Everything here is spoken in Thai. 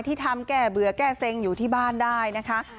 ที่ทำแก้เบื่อแก้เซ็งอยู่ที่บ้านได้นะคะ